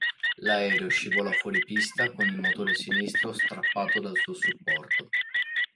L'aereo scivolò fuori pista con il motore sinistro strappato dal suo supporto.